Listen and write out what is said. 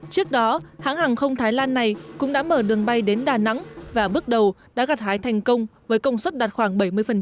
trước đó hãng hàng không thái lan này cũng đã mở đường bay đến đà nẵng và bước đầu đã gặt hái thành công với công suất đạt khoảng bảy mươi